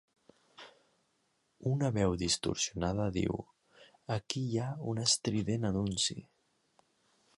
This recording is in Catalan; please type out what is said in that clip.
Una veu distorsionada diu Aquí hi ha un estrident anunci!